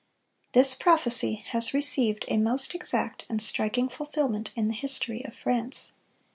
This prophecy has received a most exact and striking fulfilment in the history of France.